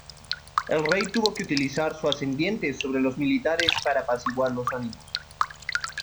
El Rey tuvo que utilizar su ascendiente sobre los militares para apaciguar los ánimos.